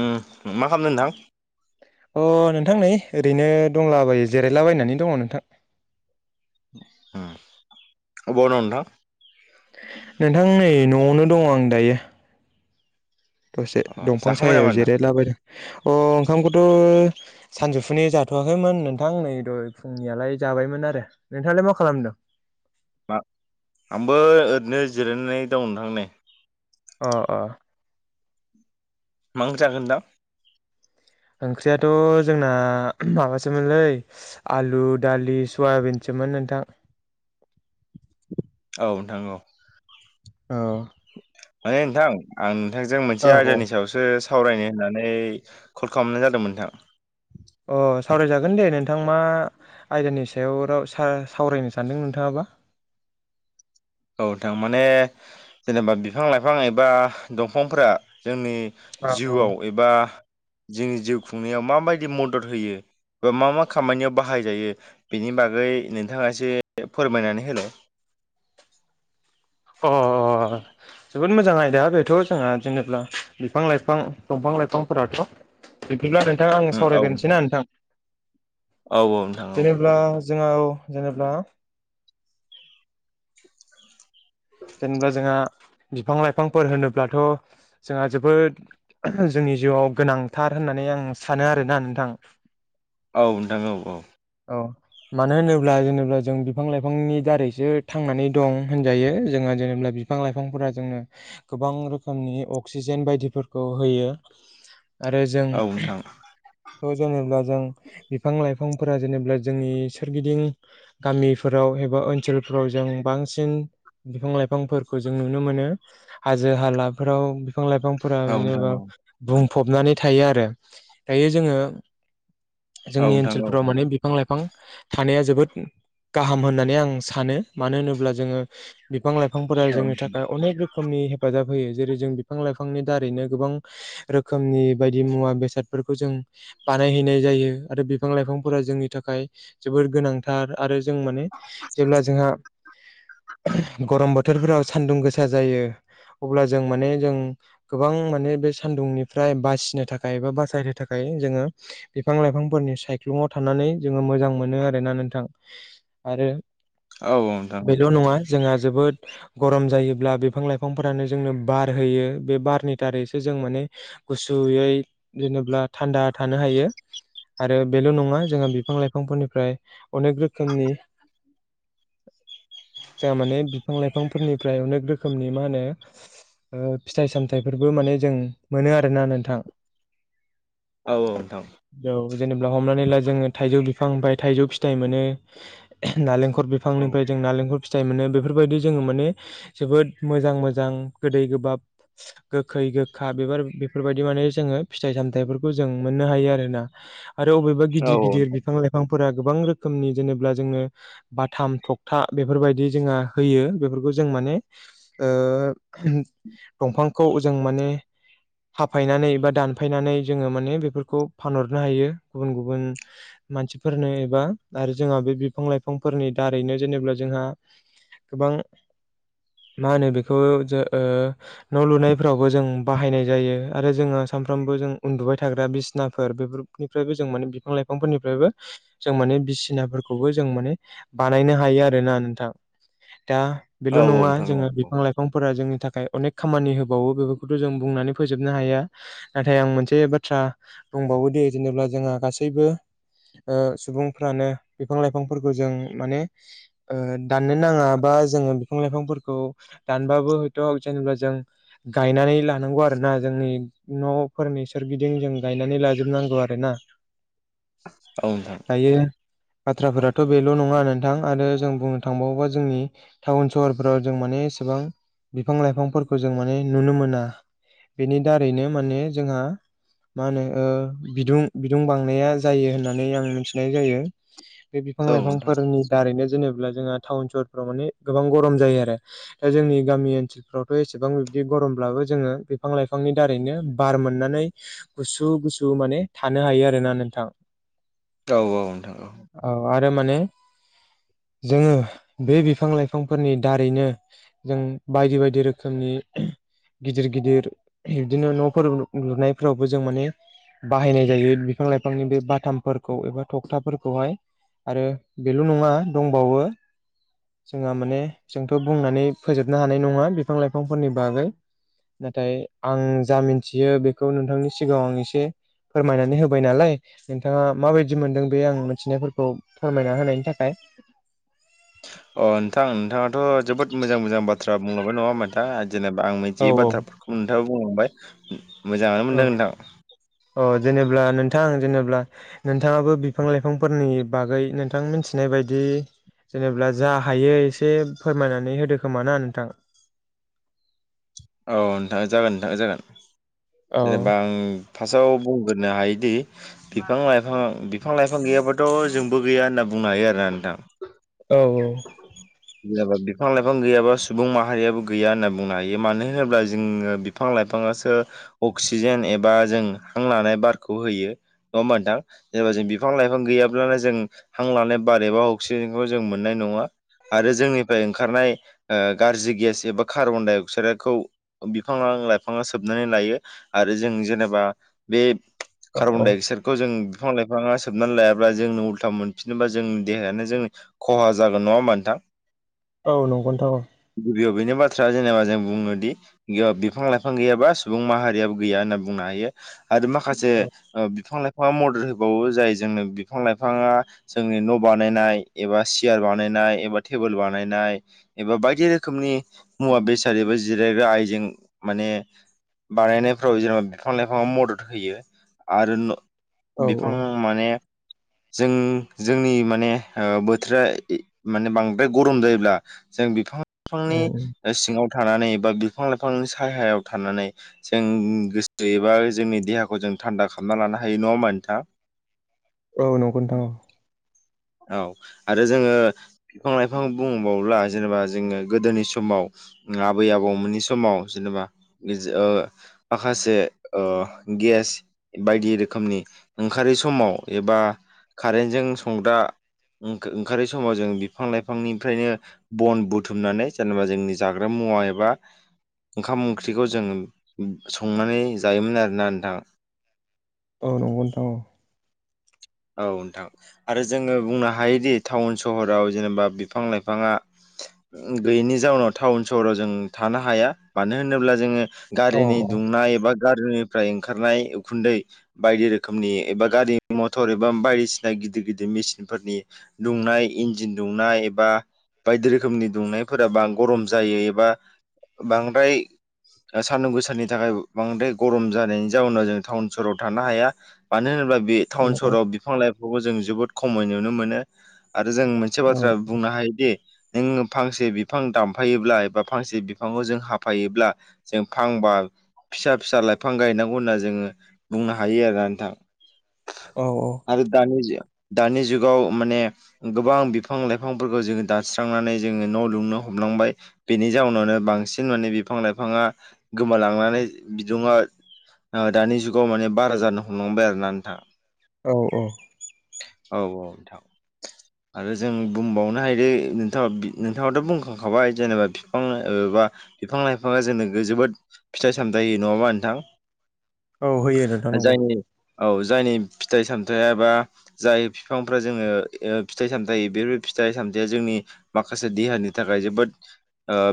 ओम मा खालामदों नोंथां? अ नोंथां नै ओरैनो दंलाबायो जिरायलाबायनानै दङ नोंथां औम अबाव दं नोंथां? नोंथां नै न'आवनो दङ आं दायो दसे अ दंफां जाखांबाय नामा सायायाव नोंथां जिरायला बायदों अ ओंखामखौथ' सानजौफुनि जाथ'वाखैमोन नोंथां नै दहय फुंनियालाय जाबायमोन आरो नोंथाङालाय मा खालामदों? मा आंबो ओरैनो जिरायनाय दं नोंथां नै अ अ मा ओंख्रि जाखो नोंथां? ओंख्रियाथ' जोंना माबासोमोनलै आलु दालि सयाबिनसो मोन नोंथां। औ नोंथां औ औ माने नोंथां आं नोंथांजों मोनसे आयदानि सायावसो सावरायनो होननानै कल खालामनाय जादोंमोन नोंथां। अ सावरायजागोन दे नोंथां मा आयदानि सायाव र सावरायनो सानदों नोंथाङाबा? औ थार माने जेनेबा बिफां लाइफां एबा दंफांफोरा जोंनि औ औ जिउआव एबा जोंनि जिउ खुंनायाव माबायदि मदद होयो‌? एबा मा मा खामानियाव बाहायजायो बेनि बागै नोंथाङा एसे फोरमायनानै होनो [inaudible] अ अ जोबोद मोजां आयदा बेथ' जोंहा जेनेबा बिफां लाइफां दंफां लाइफांफोराथ' बिदिब्ला नोंथांङा आंनो उम औ सावरायग्रोनोसै ना नोंथां? औ औ नोंथां औ जोङो जेनेबा जेनेबा जोंहा बिफां लाइफांफोर होनोब्लाथ' जोंहा जोबोद जोंनि जिउआव गोनांथार होननानै आं सानो आरोना नोंथां। औ नोंथां औ औ औ मानो होनोब्ला जेनेबा जों बिफां लाइफांनि दारैसो थांनानै दं होनजायो। जोङो जेनेबा बिफां लाइफांफोरा जोंनो गोबां रोखोमनि अक्सिजेन बायदिफोरखौ होयो। आरो जों औ नोंथां [unintelligible] जों जों बिफां लाइफां बिफांफोरा जेनेबा जोंनि सोरगिदिं गामिफोराव एबा ओनसोलफोराव जों बांसिन बिफां लाइफांफोरखौ जों नुनो मोनो हाजो हालाफोराव बिफां लाइफांफोरा औ नोंथां जेनेबा बुं फबनानै थायो आरो दायो जोङो औ जोंनि नोंथां औ ओनसोलफोराव माने बिफां लाइफां थानाया जोबोद गाहाम होननानै आं सानो मानो होनोब्ला जोङो बिफां लाइफांफोरा जोंनि थाखाय अनेक रोखोमनि हेफाजाब होयो जेरै जों बिफां लाइफांनि दारैनो गोबां रोखोमनि बायदि मुवा बेसादफोरखौ जों बानायहैनाय जायो आरो बिफां लाइफांफोरा जोंनि थाखाय जोबोर गोनांथार आरो जों माने जेब्ला जोंहा गरम बोथोरफोराव सान्दुं गोसा जायो अब्ला जों माने जों गोबां माने बे सानदुंनिफ्राय बासिनो थाखाय एबा बासायनो थाखाय जोङो बिफां लाइफांफोरनि सायख्लुमाव थानानै जोङो मोजां मोनो आरोना नोंथां। आरो औ औ नोंथां औ बेल' नङा जोंहा जोबोद गरम जायोब्ला बिफां लाइफांफोरानो जोंनो बार होयो बे बारनि दारैसो जों माने गुसुयै जेनेब्ला थान्दा थानो हायो। आरो बेल' नङा जोंहा बिफां लाइफांफोरनिफ्राय अनेक रोखोमनि जाहा माने बिफां लाइफांफोरनिफ्राय अनेक रोखोमनि मा होनो? फिथाइ सामथाइफोरबो माने जों मोनो आरोना नोंथां? औ औ नोंथां जेनेब्ला हमनानै ला जोङो थाइजौ बिफांनिफाय थाइजौ फिथाइ मोनो नालेंख खर औ बिफांनिफ्राय जों नालेंखर फिथाइ मोनो। बेफोरबायदि जोङो माने जोबोद मोजां मोजां गोदै गोबाब गोखै गोखा बेबार बेफोरबायदि माने जोङो फिथाइ सामथाइफोरखौ जों मोननो हायो आरो ना। आरो अबेबा औ गिदिर गिदिर बिफां लाइफां फोरा गोबां रोखोमनि जेनेब्ला जोङो बाथाम थखथा बेफोरबायदि जोंहा होयो बेफोरखौ जों माने ओ दंफांखौ जों माने हाफायनानै बा दानफायनानै जोङो माने बेफोरखौ फानहरनो हायो गुबुन गुबुन मानसिफोरनो एबा आरो जोंहा बे बिफां लाइफांफोरनि दारैनो जेनेबा जोंहा गोबां मा होनो बेखौ जो न' लुनायफ्रावबो जों बाहायनाय जायो आरो जोङो सानफ्रामबो जों उन्दुबाय थाग्रा बिसिनाफोर बेफोरनिफ्रायबो जों माने बिफां लाइफांफोरनिफ्रायबो जों माने बिसिनाफोरखौबो जों माने बानायनो हायो आरो ना नोंथां दा बेल' नङा नोंथां औ जोङो औ बिफां लाइफांफोरा जोंनि थाखाय अनेक खामानि होबावो बेफोरखौथ' जों बुंनानै फोजोबनो हाया नाथाय आं मोनसे बाथ्रा दंबावो दे जेनेब्ला जोंहा गासैबो सुबुंफ्रानो बिफां लाइफांफोरखौ जों माने दान नो नाङा बा जोङो लाइफांफोरखौ दानबाबो हय' जेनेब्ला जों गायनानै लानांगौ आरो ना जोंनि न'फोरनि सोरगिदिं जों गायनानै लाजोबनांगौ आरो ना औ नोंथां औ नोंथां दायो बाथ्राफोराथ' बेल' नङा नोंथां आरो जों बुंनो था थांबावोबा जोंनि टाउन सहरफ्राव जों माने एसेबां बिफां लाइफांफोरखौ जों माने नुनो मोना बेनि दारैनो माने जोंहा मा होनो बिदुं बिदुं बांनाया जायो होननानै आं मिथिनाय जायो बे बिफां औ लाइफांफोरनि दारैनो जेनेब्ला जोंहा टाउन सहरफ्राव माने गोबां गरम जायो आरो दा जोंनि गामि ओनसोलफ्रावथ' एसेबां बिबदि गरमब्लाबो जोङो बिफां लाइफांनि दारैनो बार मोननानै गुसु गुसु माने थानो हायो आरोना नोंथां औ औ नोंथां दा माने जोङो बे बिफां लाइफांफोरनि दारैनो जों बायदि बायदि रोखोमनि गिदिर गिदिर बिदिनो न'फोर लुनायफोरावबो जों माने बाहायनाय जायो बिफां लाइफांनि बे बाथामफोरखौ एबा थखथाफोरखौहाय आरो बेल' नङा दंबावो जोंहा माने जोंथ' बुंनानै फोजोबनो हानाय नङा बिफां लाइफांफोरनि बागै नाथाय आं जा मिथियो बेखौ नोंथांनि सिगाङाव आं एसे फोरमायनानै होबाय नालाय नोंथाङा माबायदि मोनदों बे आं मिथिनायफोरखौ फोरमायना होनायनि थाखाय [inaudible] अ नोंथां नोंथाङाथ' जोबोद मोजां मोजां बाथ्रा बुंलांबाय नङा होमबा नोंथां जेनेबा आं औ मोनथियि औ बाथ्राफोरखौ नोंथाङा बुंलांबाय मोजाङानो औ मोनदों नोंथां अ जेनेबब्ला नोंथां जेनेब्ला नोंथाङाबो बिफां लाइफांफोरनि बागै नोंथां मिथिनाय बे बायदि जेनेब्ला जा हायो एसे फोरमायनानै होदो खोमा ना नोंथां [inaudible] औ नोंथां जागोन नोंथां जागोन औ जेनेबा आं फार्स्टआव बुंग्रोनो हायोदि बिफां लाइफां बिफां लाइफां गैयाबाथ' जोंबो गैया होनना बुंनो हायो आरोना नोंथां औ जेनेबा बिफां लाइफां बिफां गैयाबा सुबुं माहारियाबो गैया होनना बुंनो हायो मानो होनोब्ला जोङो बिफां लाइफाङासो अक्सिजेन एबा जों हां लानाय बारखौ होयो नङा होनबा नोंथां जेनेबा जों बिफां लाइफां गैया गैब्लानो जों हां लानाय बार एबा अक्सिजेनखौ जों मोननाय नङा आरो जोंनिफ्राय ओंखारनाय ओ गाज्रि गेस एबा कार्बन-डाइ-अक्साइडखौ बिफाङा बिफां लाइफाङा सोबनानै लायो आरो जों जेनेबा बे औ कार्बन औ डाइ अक्साइडखौ जों बिफां लाइफाङा सोबनानै लायाब्ला जोंनो उल्था मोनफिनोबा जोंनि देहायानो जों खहा जागोन नङा होमबा नोंथां औ नंगौ नोंथां औ गिबियाव बेनो बाथ्रा जेनेबा जों बुनो दि बिफां लाइफां गैयाबा सुबुं माहारियाबो गैया होनना बुंनो हायो आरो माखासे बिफां लाइफां बिफाङा मदद होबावो जायो जोंनो बिफां लाइफाङा जोंनि न' बानायनाय एबा सियार बानायनाय एबा टेबोल बानायनाय एबा बायदि रोखोमनि मुवा बेसाद एबा जिरायग्रा आयजें माने बानायनायफ्राव जेनेबा बिफां लाइफाङा मदद होयो आरो न' औ औ बिफां माने जों जोंनि माने ओ बोथोरा माने बांद्राय गरम जायोब्ला जों बिफां लाइफांनि औ सिङाव थानानै एबा बिफां लाइफांनि सायहायाव थानानै जों गोसो एबा जोंनि देहाखौ जों थान्दा खालामना लानो हायो नङा होमबा नोंथां? औ नंगौ नोंथां औ औ आरो जोङो बिफां लाइफां बुंबाव्ला जेनेबा जोङो गोदोनि समाव आबै आबौमोननि समाव जेनेबा माखासे ओ गि गेस बायदि रोखोमनि ओंखारै समाव एबा कारेन्टजों संग्रा ओंखारै समाव जों बिफां लाइफांनिफ्रायनो बन बुथुमनानै जेनेबा जोंनि जाग्रा मुवा एबा ओंखाम ओंख्रिखौ जों संनानै जायोमोन आरोना नोंथां। औ नंगौ नोंथां औ औ नोंथां आरो जोङो बुंनो हायोदि टाउन सहराव जेनेबा बिफां लाइफाङा गैयैनि जाउनाव टाउन सहराव जों थानो हाया। मानो होनोब्ला जोङो औ गारिनि दुंनाय एबा गारिनिफ्राय ओंखारनाय उखुन्दै बायदि रोखोमनि एबा गारि म थर एबा बायदिसिना गिदिर गिदिर मेसिनफोरनि दुंनाय इन्जिन दुंनाय एबा बायदि रोखोमनि दुंनायफोरा बा गरम जायो एबा बांद्राय सान्दुं गोसनि थाखाय बांद्राय गरम जानायनि जाउनाव जों टाउन सहराव थानो हाया मानो होनोब्ला बे टाउन सहराव बिफां लाइफांखौ जों जोबोद खमै नुनो मोनो। आरो जों मोनसे औ बाथ्रा बुंनो हायोदि जोंङो फांसे बिफां दानफायोब्ला एबा फांसे बिफांखौ जों हाफायोब्ला जों फांबा फिसा फिसा लाइफां गायनांगौ होनना जोङो बुंनो हायो आरो ना नोंथां। औ आरो दानि जे दानि जुगाव माने गोबां बिफां लाइफांफोरखौ जोङो दानस्रांनानै जोङो न' लुनो हमो। हमलांबाय बेनि जाउनावनो बांसिन माने बिफां लाइफाङा गोमालांनानै बिदुङा दानि जुगाव माने बारा जानो हमलांबाय आरो ना नोंथाङा। औ औ औ औ नोंथां आरो जों बुंबावनो हायोदोंथ नोंथाङाथ' बुंखांखाबाय जेनेबा बिफां औ बा बिफां लाइफाङा जोंनो जोबोद फिथाइ सामथाय होयो नङाबा नोंथां औ होयो नोंथां नंगौ जायनि औ जायनि फिथाइ सामथायाइ बा जाय बिफांफ्रा जोङो फिथाइ सामथाय बेफोर फिथाइ सामथाय जों नि माखासे देहानि थाखाय जोबोद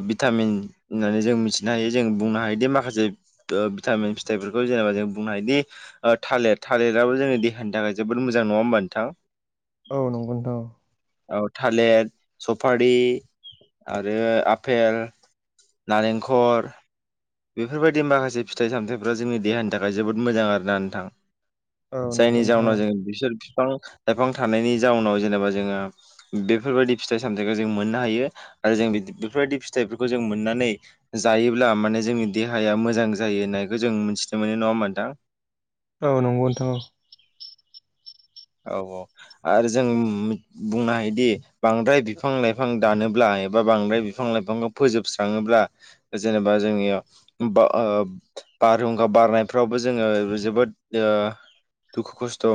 भिटामिन होननानै जों मिथिनो हायो जों बुं हायोदि माखासे फिथायफोरखौ जेनेबा जों बुंनो हायोदि थालिर थालिर दाबो जोंनि देहानि थाखाय जोबोर मोजां नङा होमबा नोंथां? औ नंगौ नोंथां औ थालिर सफारि आरो आपेल नारेंखर बेफोरबायदि माखासे फिथाइ सामथायाइफ्रा जोंनि देहानि थाखाय जोबोद मोजां आरोना नोंथां। औ नंगौ जायनि नोंथां जाहोनाव जों बिसोर बिफां लाइफां थानायनि जाउनाव जेनेबा जोङो बेफोरबायदि फिथाइ सामथायाइखौ जों मोननो हायो। आरो जों बेफोरबायदि फिथाइफोरखौ जों मोननानै जायोब्ला माने जोंनि देहाया मोजां जायो ना। नायखौ जों मिथिनो मोनो नङा होनबा नोंथां। औ नंगौ नोंथां औ औ औ आरो जों बुंनो हायोदि बांद्राय बिफां लाइफां दानोब्ला बा बांद्राय बिफां लाइफांखौ फोजोबस्राङोब्ला जेनेबा जोंनियाव बा बारहुंखा बारनायफ्रावबो जोङो जोबोद दुखु खस्थ'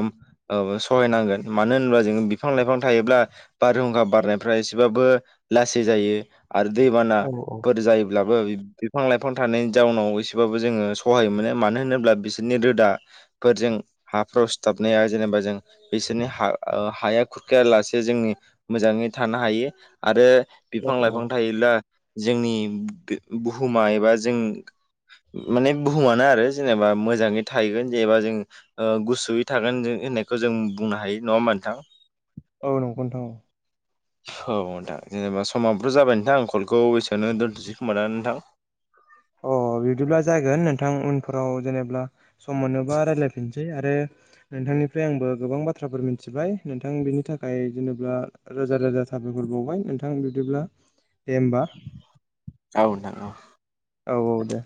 सहायनांगोन मानो होनोब्ला जोंङो बिफां लाइफां थायोब्ला बारहुंखा बारनायफ्रा एसेबाबो लासै जायो आरो औ दैबानाफोर जायोब्ला बिफां लाइफां थानायनि जाउनाव एसेबाबो जोङो सहाय मोनो मानो होनोब्ला बिसोरनि रोदा फोरजों हाफ्राव सिथाबनाया जेनेबा जों बिसोरनि हाया खुरखाया लासे जोंनि मोजाङै थानो हायो आरो औ बिफां लाइफां थायोब्ला जोंनि बुहुमा एबा जों माने बुहुमानो आरो जेनेबा मोजाङै थाहैगोन जेनेबा जों गुसुयै थागोन जों होननाय खौ जों बुंनो हायो नङा होनमा नोंथां। औ नंगौ नोंथां। औ नोंथां जेनेबा समाबोथ' जाबाय नोंथां आ कलखौ एसेबयावनो दोनथ'नोसै खोमा दा नोंथां। [inaudible] अ बिदिब्ला जागोन नोंथां उनफोराव जेनेबा सम मोनोबा राय्लायफिनसै आरो नोंथांनिफ्राय आंबो गोबां बाथ्राफोर मिथिबाय नोंथां बिनि थाखाय जेनेबा रोजा रोजा साबायखर बावबाय नोंथां बिदिब्ला दे होमबा औ नोंथां औ। औ औ दे।